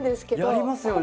やりますよね。